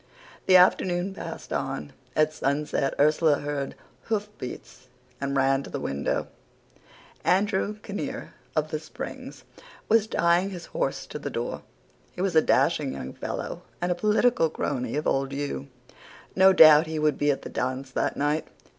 "The afternoon passed on. At sunset Ursula heard hoof beats and ran to the window. Andrew Kinnear of The Springs was tying his horse at the door. He was a dashing young fellow, and a political crony of old Hugh. No doubt he would be at the dance that night.